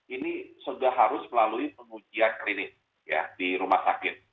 ini sudah harus melalui pengujian klinis di rumah sakit